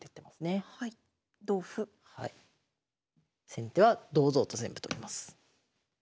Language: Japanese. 先手は堂々と全部取ります。